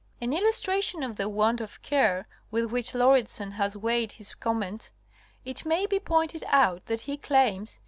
—An illustration of the want of care with which Lauridsen has weighed his comments, it may be pointed out that he claims (p.